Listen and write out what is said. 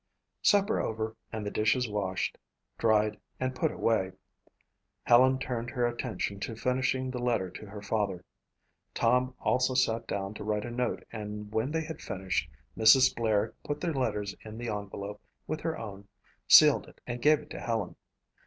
Supper over and the dishes washed, dried and put away, Helen turned her attention to finishing the letter to her father. Tom also sat down to write a note and when they had finished Mrs. Blair put their letters in the envelope with her own, sealed it and gave it to Helen.